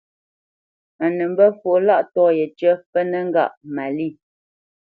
A nə́ mbə́ fwo lâʼtɔ̂ yécyə pə́ mê ngâʼ Malî.